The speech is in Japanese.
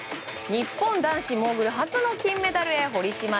日本男子モーグル初の金メダルへ堀島